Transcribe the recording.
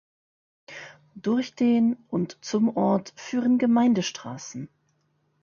Durch den und zum Ort führen Gemeindestraßen.